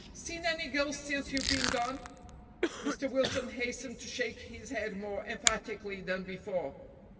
Seen any girls since you've been gone?" Mr. Wilson hastened to shake his head more emphatically than before.